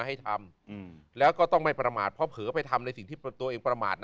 ให้ทำแล้วก็ต้องไม่ประมาทเพราะเผลอไปทำในสิ่งที่ตัวเองประมาท